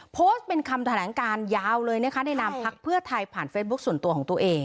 โพสต์เป็นคำแถลงการยาวเลยนะคะในนามพักเพื่อไทยผ่านเฟซบุ๊คส่วนตัวของตัวเอง